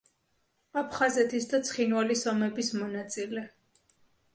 აფხაზეთის და ცხინვალის ომების მონაწილე.